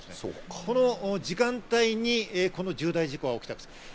この時間帯にこの重大事故が起きた。